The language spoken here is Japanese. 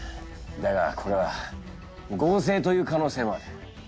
だがこれは合成という可能性もある。